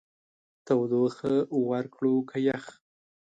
تودوخه ورکړو که يخ؟